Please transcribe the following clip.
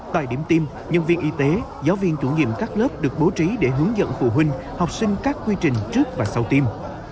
tại điểm tiêm nhân viên y tế giáo viên chủ nhiệm các lớp được bố trí để hướng dẫn phụ huynh học sinh các quy trình trước và sau tiêm